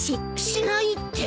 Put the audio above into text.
しないって？